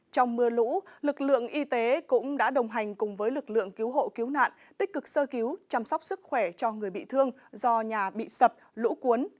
trong mưa lũ lực lượng y tế cũng đã đồng hành cùng với lực lượng cứu hộ cứu nạn tích cực sơ cứu chăm sóc sức khỏe cho người bị thương do nhà bị sập lũ cuốn